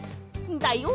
だよ！